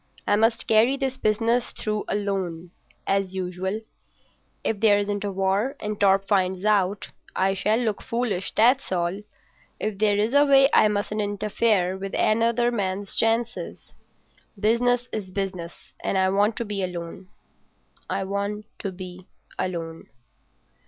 I must carry this business through alone—as usual. If there isn't a war, and Torp finds out, I shall look foolish, that's all. If there is a way I mustn't interfere with another man's chances. Business is business, and I want to be alone—I want to be alone.